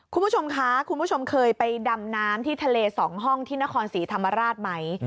คุณผู้ชมคะคุณผู้ชมเคยไปดำน้ำที่ทะเล๒ห้องที่นครศรีธรรมราชไหม